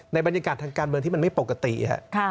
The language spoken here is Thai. บรรยากาศทางการเมืองที่มันไม่ปกติ